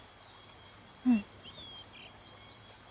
うん。